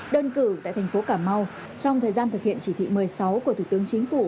đơn cử tại thành phố cà mau trong thời gian thực hiện chỉ thị một mươi sáu của thủ tướng chính phủ